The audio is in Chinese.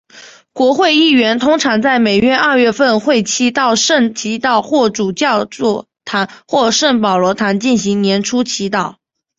国会议员通常在每年二月份会期到圣基道霍主教座堂或圣保罗堂进行年初祈祷。